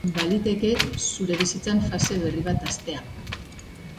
Baliteke zure bizitzan fase berri bat hastea.